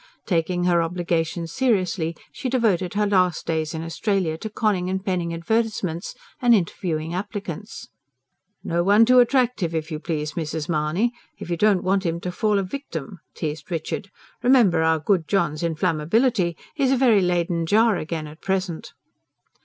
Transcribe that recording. Taking her obligations seriously, she devoted her last days in Australia to conning and penning advertisements, and interviewing applicants. "Now no one too attractive, if you please, Mrs. Mahony! if you don't want him to fall a victim," teased Richard. "Remember our good John's inflammability. He's a very Leyden jar again at present."